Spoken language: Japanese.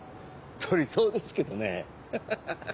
撮りそうですけどねハハハ。